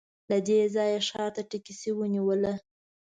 له دې ځايه ښار ته ټکسي ونیوله.